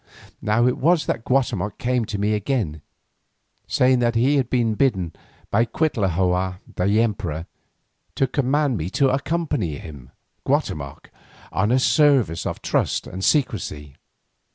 Now it was that Guatemoc came to me again, saying that he had been bidden by Cuitlahua the emperor, to command me to accompany him, Guatemoc, on a service of trust and secrecy.